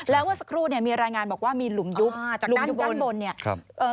แล้วว่าสักครู่มีรายงานบอกว่ามีหลุมยุบหลุมอยู่ด้านบน